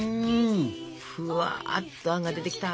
ふわっとあんが出てきた。